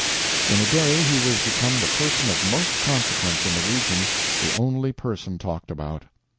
In a day he was become the person of most consequence in the region, the only person talked about.